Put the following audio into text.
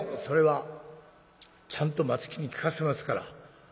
「それはちゃんと松木に聞かせますから。